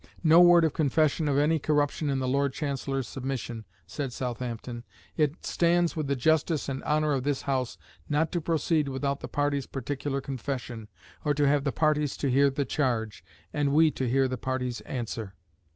"No word of confession of any corruption in the Lord Chancellor's submission," said Southampton; "it stands with the justice and honour of this House not to proceed without the parties' particular confession, or to have the parties to hear the charge, and we to hear the parties answer."